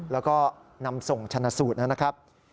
แล้วก็นำส่งชนะสูตรนะครับ